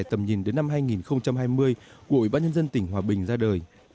tầm nhìn đến năm hai nghìn hai mươi của ủy ban nhân dân tỉnh hòa bình ra đời